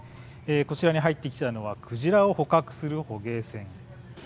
こちらに入ってきたのはクジラを捕獲する捕鯨船。